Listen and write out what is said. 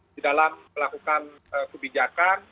di dalam melakukan kebijakan